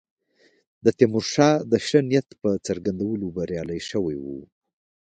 د تیمورشاه د ښه نیت په څرګندولو بریالي شوي وو.